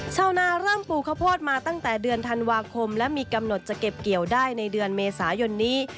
ชาวนาเริ่มปลูกข้าวโพดมาตั้งแต่เดือนธันวาคมและมีกำหนดจะเก็บเกี่ยวได้ในเดือนเมษายนนี้